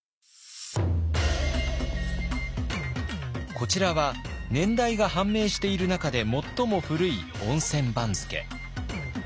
こちらは年代が判明している中で最も古い温泉番付。